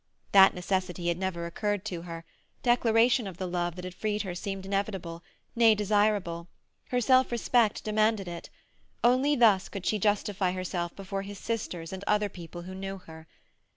That necessity had never occurred to her; declaration of the love that had freed her seemed inevitable—nay, desirable. Her self respect demanded it; only thus could she justify herself before his sisters and other people who knew her.